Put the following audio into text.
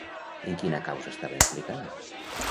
En quina causa estava implicada?